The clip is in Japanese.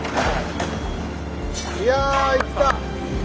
いやいった！